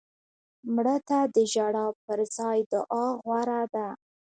مړه ته د ژړا پر ځای دعا غوره ده